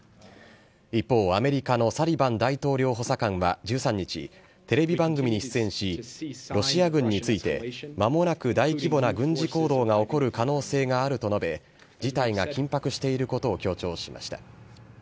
一方、アメリカのサリバン大統領補佐官は１３日、テレビ番組に出演し、ロシア軍について、まもなく大規模な軍事行動が起こる可能性があると述べ、事態が緊迫していることを強調しました。